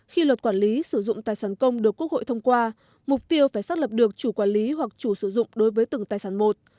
khi luật quản lý sử dụng tài sản công được quốc hội thông qua mục tiêu phải xác lập được chủ quản lý hoặc chủ sử dụng đối với từng tài sản một